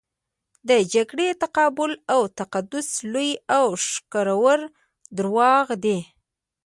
د جګړې تقابل او تقدس لوی او ښکرور درواغ دي.